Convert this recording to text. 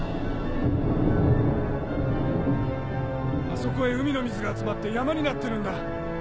あそこへ海の水が集まって山になってるんだ。